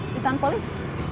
di tanpa lift